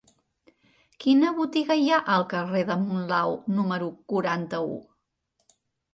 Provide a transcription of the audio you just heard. Quina botiga hi ha al carrer de Monlau número quaranta-u?